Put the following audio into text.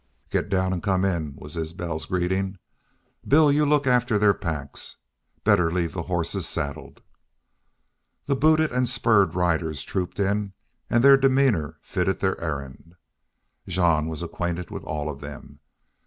"Get down an' come in," was Isbel's greeting. "Bill you look after their packs. Better leave the hosses saddled." The booted and spurred riders trooped in, and their demeanor fitted their errand. Jean was acquainted with all of them.